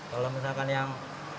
kalau misalkan yang